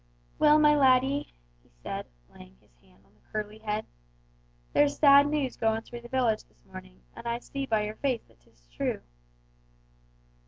"Well, my laddie," he said, laying his hand on the curly head, "there's sad news going through the village this morning, and I see by your face that 'tis true!"